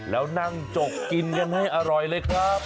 แล้วนั่งจกกินกันให้อร่อยเลยครับ